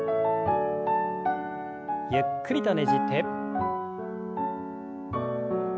ゆっくりとねじって。